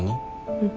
うん。